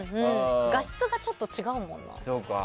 画質がちょっと違うもんな。